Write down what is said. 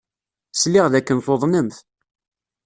Sliɣ dakken tuḍnemt.